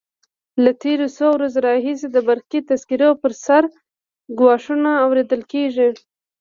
له تېرو څو ورځو راهیسې د برقي تذکرو پر سر ګواښونه اورېدل کېږي.